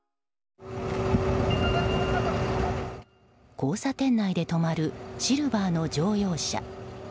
交差点内で止まるシルバーの乗用車。